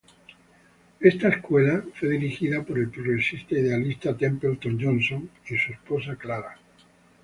Esta escuela fue dirigida por el progresista idealista Templeton Johnson y su esposa Clara.